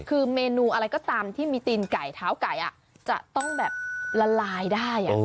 คือเมนูอะไรก็ตามที่มีตีนไก่เท้าไก่จะต้องแบบละลายได้